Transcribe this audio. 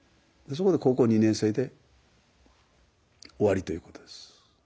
そこで高校２年生で終わりということです。